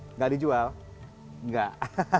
enggak dijual enggak